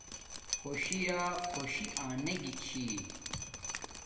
خوشی یا خوشی انگی چھی